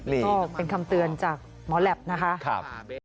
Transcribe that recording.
นี่ก็เป็นคำเตือนจากหมอแหลปนะคะ